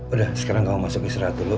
udah sekarang kamu masuk istirahat dulu